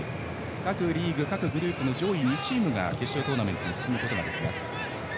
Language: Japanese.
各リーグ各グループの上位２チームが決勝トーナメントに進めます。